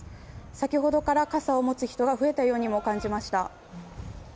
先ほどから、傘を持つ人が増えたようにも感じました。